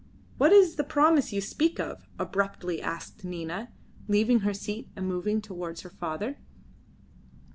"What is the promise you speak of?" abruptly asked Nina, leaving her seat and moving towards her father.